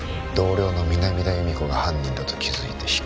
同僚の南田弓子が犯人だと気づいて